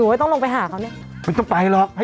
ไม่ต้องไปหรอก